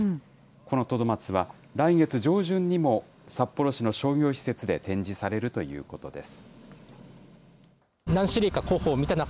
このトドマツは、来月上旬にも札幌市の商業施設で展示されるということです。